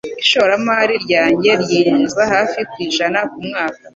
Ishoramari ryanjye ryinjiza hafi ku ijana kumwaka